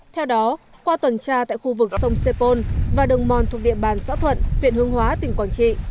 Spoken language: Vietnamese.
theo đó qua tuần tra tại khu vực sông sepol và đường mòn thuộc địa bàn xã thuận huyện hương hóa tỉnh quảng trị